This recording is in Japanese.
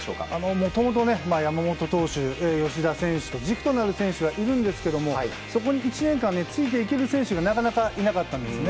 もともと山本投手、吉田選手と軸となる選手はいましたがそこに１年間ついていける選手がなかなかいなかったんですね。